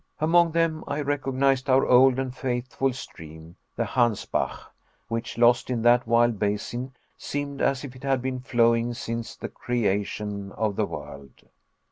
Among them I recognized our old and faithful stream, the Hansbach, which, lost in that wild basin, seemed as if it had been flowing since the creation of the world.